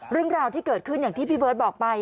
เรื่องราวที่เกิดขึ้นอย่างที่พี่เบิร์ตบอกไป